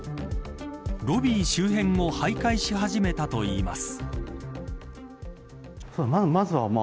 ロビー周辺を徘徊し始めたといいます。